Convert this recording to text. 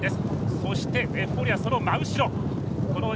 そして、エフフォーリアその真後ろ。